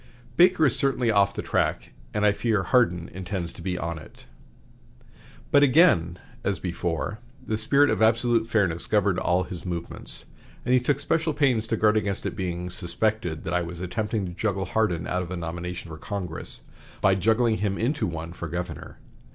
Baker is certainly off the track, and I fear Hardin intends to be on it." But again, as before, the spirit of absolute fairness governed all his movements, and he took special pains to guard against it being "suspected that I was attempting to juggle Hardin out of a nomination for Congress by juggling him into one for governor."